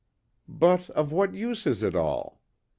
"But, of what use is it all?